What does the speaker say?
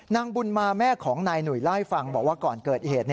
นางบุญมาแม่ของนายหนุ่ยเล่าให้ฟังบอกว่าก่อนเกิดเหตุ